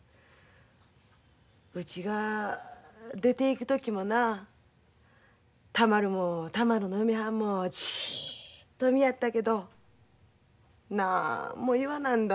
うちが出ていく時もな田丸も田丸の嫁はんもじいっと見やったけどなんも言わなんだ。